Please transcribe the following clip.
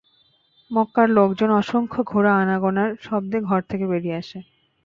মক্কার লোকজন অসংখ্য ঘোড়া আনাগোনার শব্দে ঘর থেকে বেরিয়ে আসে।